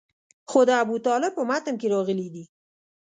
خو د ابوطالب په متن کې راغلي دي.